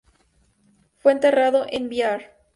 Fue enterrado en Bihar.